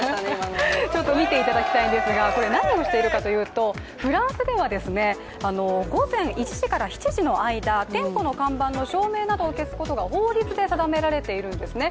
見ていただきたいんですが、何をしているかというと、フランスでは午前１時から７時の間、店舗の看板の電灯を消すことが法律で定められているんですね。